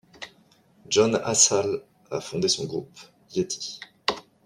John Hassall a fondé son groupe, Yeti.